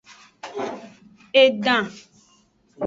Edan.